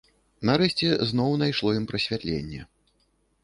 Нарэшце зноў найшло ім прасвятленне.